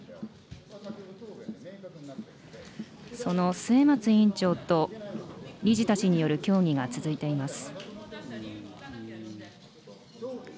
その末松委員長と理事たちによる協議が続いています。